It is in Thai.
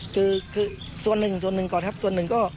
คือส่วนหนึ่งส่วนหนึ่งก่อนครับส่วนหนึ่งก็